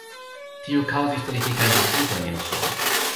Tio kaŭzis politikajn disputojn en Usono.